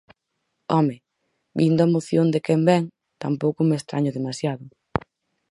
¡Home!, vindo a moción de quen vén, tampouco me estraño demasiado.